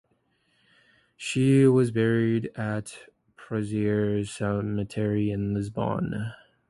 She was buried at Prazeres Cemetery in Lisbon.